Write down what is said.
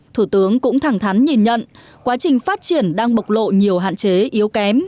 thủ tướng cũng thẳng thắn nhìn nhận quá trình phát triển đang bộc lộ nhiều hạn chế yếu kém